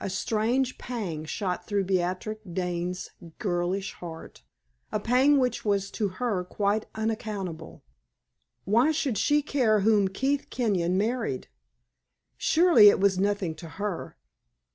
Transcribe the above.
A strange pang shot through Beatrix Dane's girlish heart a pang which was to her quite unaccountable. Why should she care whom Keith Kenyon married? Surely, it was nothing to her.